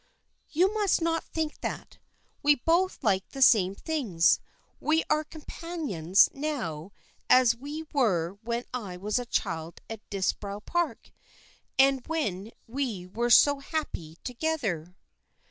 "You must not think that. We both like the same things. We are companions now as we were when I was a child at Disbrowe Park, and when we were so happy together."